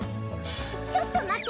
ちょっとまって！